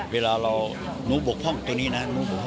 เวลาเราหนูบกพร่องตรงนี้นะ